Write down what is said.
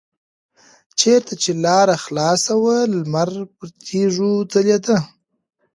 چېرته چې لاره خلاصه وه لمر پر تیږو ځلیده.